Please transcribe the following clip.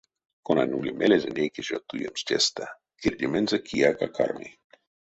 Конань ули мелезэ нейке жо туемс тестэ — кирдемензэ кияк а карми.